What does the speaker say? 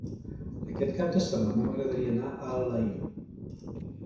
Aquest cap de setmana m'agradaria anar a Alaior.